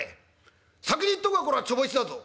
「先に言っとくがこれはちょぼいちだぞ」。